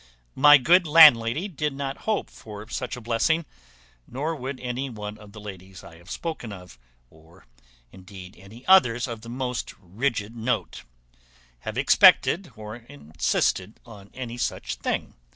My good landlady did not hope for such a blessing, nor would any of the ladies I have spoken of, or indeed any others of the most rigid note, have expected or insisted on any such thing.